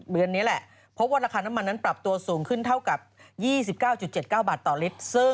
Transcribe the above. เดือนนี้แหละพบว่าราคาน้ำมันนั้นปรับตัวสูงขึ้นเท่ากับ๒๙๗๙บาทต่อลิตร